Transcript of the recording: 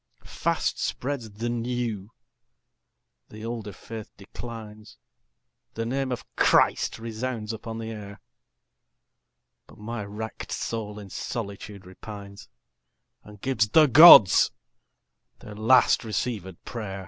Fast spreads the new; the older faith declines. The name of Christ resounds upon the air. But my wrack'd soul in solitude repines And gives the Gods their last receivèd pray'r.